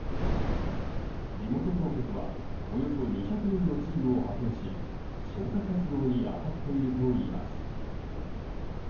地元当局はおよそ２００人のチームを派遣し消火活動に当たっているといいます。